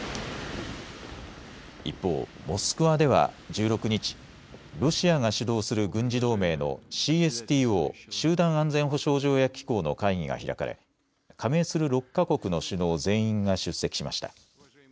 一方、モスクワでは１６日、ロシアが主導する軍事同盟のＣＳＴＯ・集団安全保障条約機構の会議が開かれ加盟する６か国の首脳全員が出席しました。